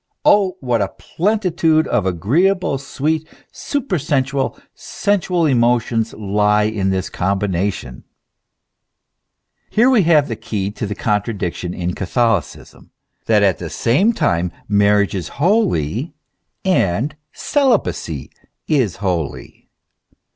* what a plenitude of agreeable, sweet, super sensual, sensual emotions lies in this combination ? Here we have the key to the contradiction in Catholicism, that at the same time marriage is holy, and celibacy is holy.